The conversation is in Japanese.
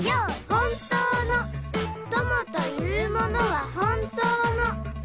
「本当の友というものは」